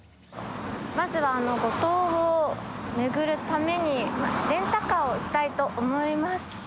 まずは五島を巡るためにレンタカーをしたいと思います。